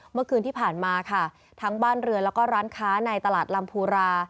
เมื่อคืนที่ผ่านมาค่ะทั้งบ้านเรือแล้วก็ร้านค้าในตลาดลำพูรา